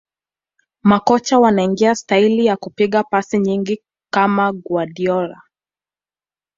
Makocha wanaiga staili ya kupiga pasi nyingi kama Guardiola